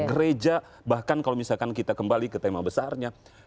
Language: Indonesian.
gereja bahkan kalau misalkan kita kembali ke tema besarnya